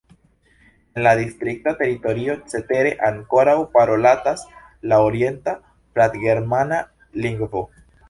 En la distrikta teritorio cetere ankoraŭ parolatas la orienta platgermana lingvo.